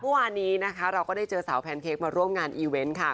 วันนี้เราก็ได้เจอสาวแพนเค้กมาร่วมงานอีเวนต์ค่ะ